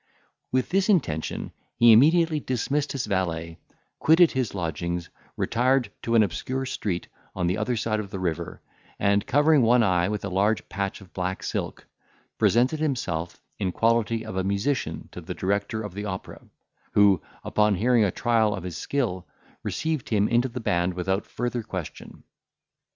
With this intention, he immediately dismissed his valet, quitted his lodgings, retired to an obscure street on the other side of the river, and, covering one eye with a large patch of black silk, presented himself in quality of a musician to the director of the opera, who, upon hearing a trial of his skill, received him into the band without further question.